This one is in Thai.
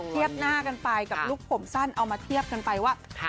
เทียบหน้ากันไปกับลูกผมสั้นเอามาเทียบกันไปว่า